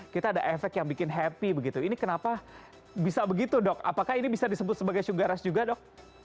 kita ada efek yang bikin happy begitu ini kenapa bisa begitu dok apakah ini bisa disebut sebagai sugar juga dok